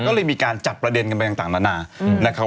ก็เลยมีการจับประเด็นไปกันต่างละนะ